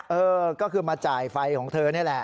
เออก็คือมาจ่ายไฟของเธอนี่แหละ